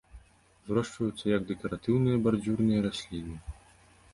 Вырошчваюцца як дэкаратыўныя бардзюрныя расліны.